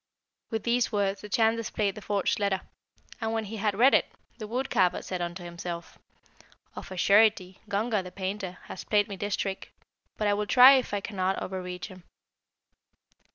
"With these words the Chan displayed the forged letter, and when he had read it, the wood carver said unto himself, 'Of a surety Gunga, the painter, has played me this trick; but I will try if I cannot overreach him.'